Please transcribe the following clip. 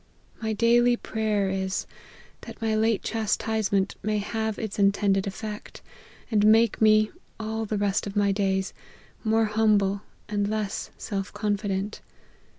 My daily prayer is, that my late chastisement may have its intended effect, and make me, all the rest of my days, more humble and less self confident.